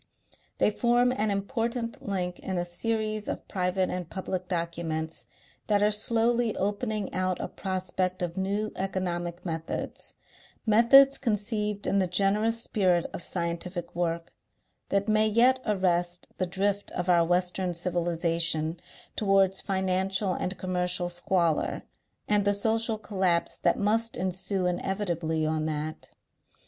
They form an important link in a series of private and public documents that are slowly opening out a prospect of new economic methods, methods conceived in the generous spirit of scientific work, that may yet arrest the drift of our western civilization towards financial and commercial squalor and the social collapse that must ensue inevitably on that.